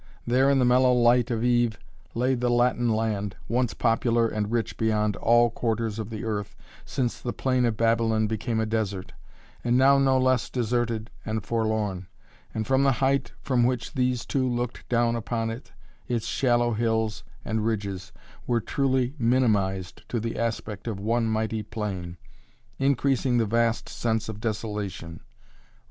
There in the mellow light of eve, lay the Latin land, once popular and rich beyond all quarters of the earth since the plain of Babylon became a desert, and now no less deserted and forlorn. And from the height from which these two looked down upon it, its shallow hills and ridges were truly minimized to the aspect of one mighty plain, increasing the vast sense of desolation.